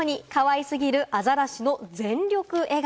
かわい過ぎるアザラシの全力笑顔。